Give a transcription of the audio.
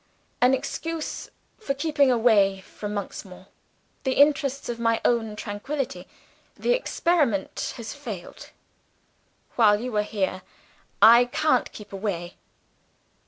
"An excuse for keeping away from Monksmoor in the interests of my own tranquillity. The experiment has failed. While you are here, I can't keep away."